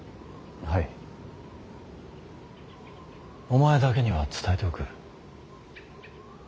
お前だけには伝えておく。